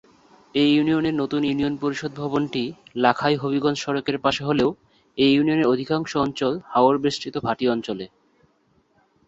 এ ইউনিয়নের নতুন ইউনিয়ন পরিষদ ভবনটি লাখাই হবিগঞ্জ সড়কের পাশে হলেও এ ইউনিয়নের অধিকাংশ অঞ্চল হাওড় বেষ্টিত ভাটি অঞ্চলে।